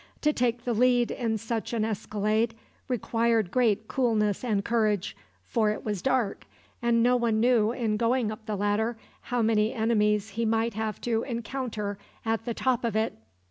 To take the lead in such an escalade required great coolness and courage, for it was dark, and no one knew, in going up the ladder, how many enemies he might have to encounter at the top of it.